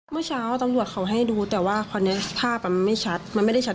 เมื่อเช้าตำรวจเขาให้ดูแต่ว่าคราวนี้ภาพมันไม่ชัดมันไม่ได้ชัด